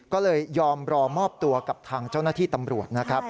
ก็เลยยอมรอมอบตัวกับทางเจ้าหน้าที่ตำรวจนะครับ